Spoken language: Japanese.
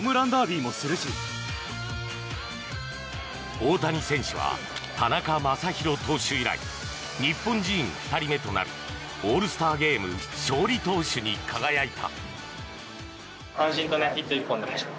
大谷選手は田中将大投手以来日本人２人目となるオールスターゲーム勝利投手に輝いた。